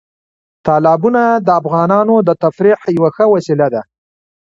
تالابونه د افغانانو د تفریح یوه ښه وسیله ده.